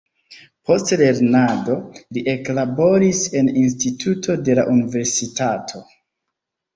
Post lernado li eklaboris en instituto de la universitato.